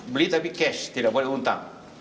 beli tapi cash tidak boleh untak